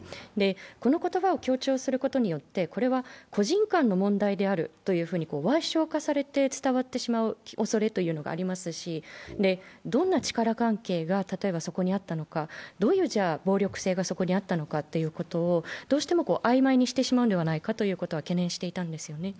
この言葉を強調することによって、これは個人間の問題であるというふうに矮小化して伝わってしまうおそれがありますし、例えば、どんな力関係がそこにあったのか、どういう暴力性がそこにあったかのということをあいまいにしてしまうのではないかと懸念していたんですよね。